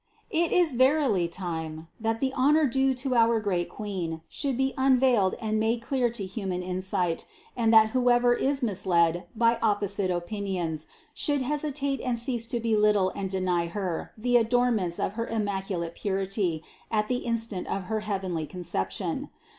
253. It is verily time, that the honor due to our great Queen should be unveiled and made clear to human in sight, and that whoever was misled by opposite opinions, should hesitate and cease to belittle and deny Her the adornments of her immaculate purity at the instant of her heavenly Conception.